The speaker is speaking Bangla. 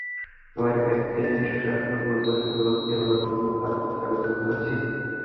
সময় থাকতে সুশাসন প্রদানে ব্রতী হওয়ার জন্য তাঁর প্রতি আবেদন জানাচ্ছি।